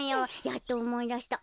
やっとおもいだした。